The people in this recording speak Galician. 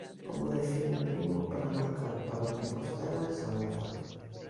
Como define Primo para marcar para o Compostela en San Lázaro.